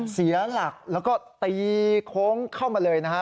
เสียหลักแล้วก็ตีโค้งเข้ามาเลยนะฮะ